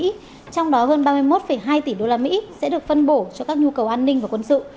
trong đó hơn ba mươi một hai tỷ usd sẽ được phân bổ cho các nhu cầu an ninh và quân sự